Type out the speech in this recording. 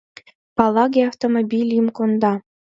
— Палаги автомобильым конда!..